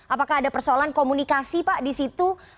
apakah ada persoalan komunikasi pak di situ